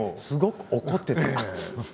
すごく怒ってた。